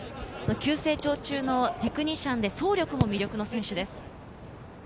急成長中のテクニシャンで走力も魅力の選手です。